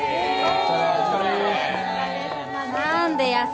お疲れお疲れさまです